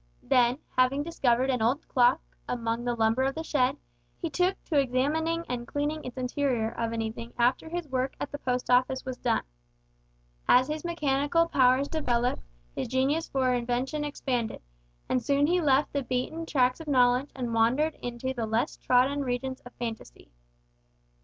Then, having discovered an old clock among the lumber of the shed, he took to examining and cleaning its interior of an evening after his work at the Post Office was done. As his mechanical powers developed, his genius for invention expanded, and soon he left the beaten tracks of knowledge and wandered into the less trodden regions of fancy.